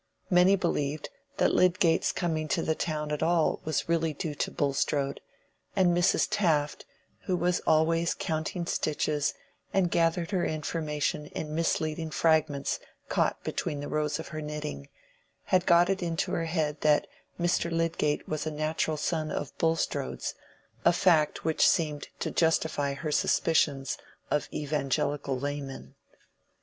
Many people believed that Lydgate's coming to the town at all was really due to Bulstrode; and Mrs. Taft, who was always counting stitches and gathered her information in misleading fragments caught between the rows of her knitting, had got it into her head that Mr. Lydgate was a natural son of Bulstrode's, a fact which seemed to justify her suspicions of evangelical laymen.